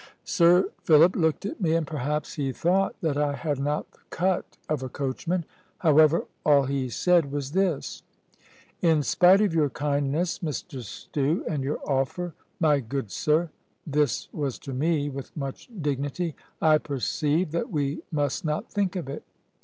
Sir Philip looked at me, and perhaps he thought that I had not the cut of a coachman. However, all he said was this: "In spite of your kindness, Mr Stew, and your offer, my good sir" this was to me, with much dignity "I perceive that we must not think of it.